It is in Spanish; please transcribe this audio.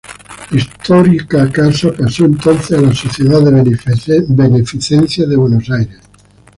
La histórica casa pasó entonces a la Sociedad de Beneficencia de Buenos Aires.